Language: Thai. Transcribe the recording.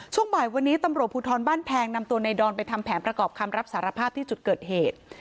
ช่วงบ่ายวันนี้ตำรวจภูทรบ้านแพงนำตัวในดอนไปทำแผนประกอบคำรับสารภาพที่จุดเกิดเหตุ